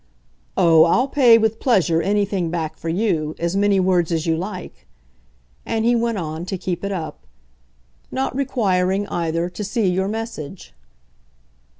"Oh, I'll pay, with pleasure, anything back for you as many words as you like." And he went on, to keep it up. "Not requiring either to see your message."